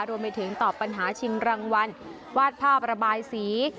รวมไปถึงตอบปัญหาชิงรางวัลวาดภาพระบายสี